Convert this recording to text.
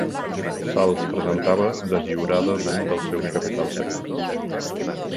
Se'ls presentava deslliurada d'un dels seus capitals secrets.